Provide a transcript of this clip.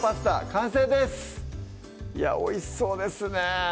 完成ですいやおいしそうですね